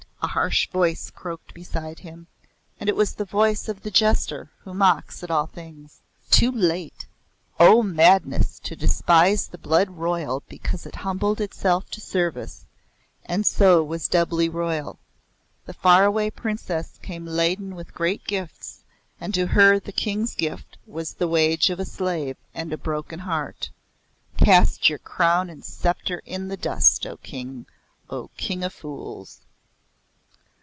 a harsh Voice croaked beside him, and it was the voice of the Jester who mocks at all things. "Too late! O madness, to despise the blood royal because it humbled itself to service and so was doubly royal. The Far Away Princess came laden with great gifts, and to her the King's gift was the wage of a slave and a broken heart. Cast your crown and sceptre in the dust, O King O King of Fools."